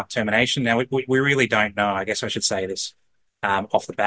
sebenarnya semasa perang masyarakat sudah berada selama sementara